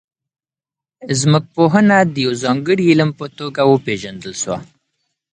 ځمکپوهنه د یو ځانګړي علم په توګه وپیژندل سوه.